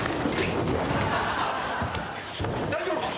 大丈夫か？